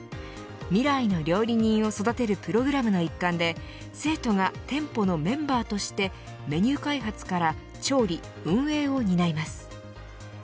未来の料理人を育てるプログラムの一環で生徒が店舗のメンバーとしてメニュー開発から調理、運営を担います。